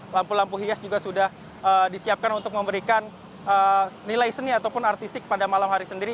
lampu lampu hias juga sudah disiapkan untuk memberikan nilai seni ataupun artistik pada malam hari sendiri